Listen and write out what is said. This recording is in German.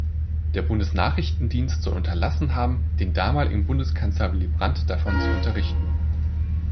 Der Bundesnachrichtendienst soll unterlassen haben, den damaligen Bundeskanzler Willy Brandt davon zu unterrichten.